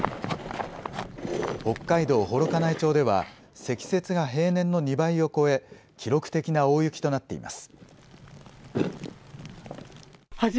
北海道幌加内町では積雪が平年の２倍を超え記録的な大雪となっています。